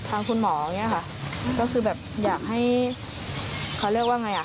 คุณหมออย่างนี้ค่ะก็คือแบบอยากให้เขาเรียกว่าไงอ่ะ